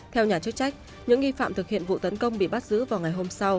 theo nhà chức trách những nghi phạm thực hiện vụ tấn công bị bắt giữ vào ngày hôm sau